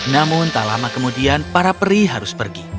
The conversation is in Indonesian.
namun tak lama kemudian para peri harus pergi